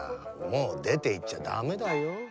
もうでていっちゃダメだよ。